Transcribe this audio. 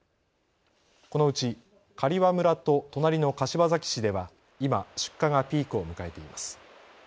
このうち刈羽村と隣の柏崎市では今、出荷がピークを迎えています。